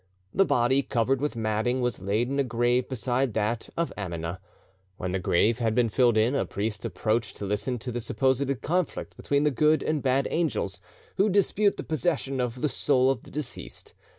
The body, covered with matting, was laid in a grave beside that of Amina. When the grave had been filled in, a priest approached to listen to the supposed conflict between the good and bad angels, who dispute the possession of the soul of the deceased.